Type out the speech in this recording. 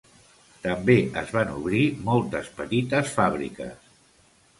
També es van obrir moltes petites fàbriques.